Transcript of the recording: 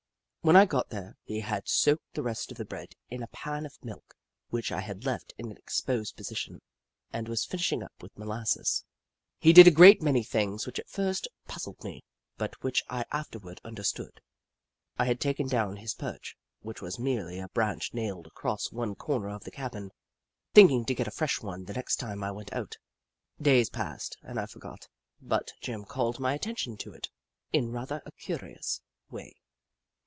When I got there, he had soaked the rest of the bread in a pan of milk which I had left in an exposed position, and was finishing up with molasses. He did a great many things which at first puzzled me, but which I afterward understood. I had taken down his perch, which was merely a branch nailed across one corner of the cabin, thinking to get a fresh one the next time I went out. Days passed, and I forgot it, but Jim called my attention to it in rather a curious way.